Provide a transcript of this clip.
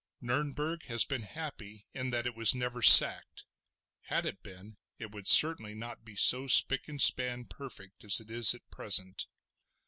Nurnberg has been happy in that it was never sacked; had it been it would certainly not be so spick and span perfect as it is at present.